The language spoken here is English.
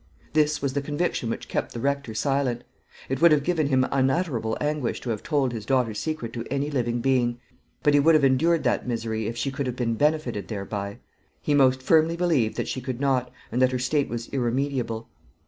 This was the conviction which kept the Rector silent. It would have given him unutterable anguish to have told his daughter's secret to any living being; but he would have endured that misery if she could have been benefitted thereby. He most firmly believed that she could not, and that her state was irremediable.